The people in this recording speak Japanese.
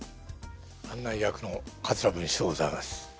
案内役の桂文枝でございます。